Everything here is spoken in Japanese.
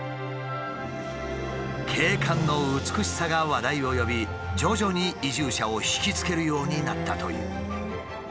景観の美しさが話題を呼び徐々に移住者を惹きつけるようになったという。